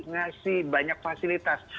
ngasih banyak fasilitas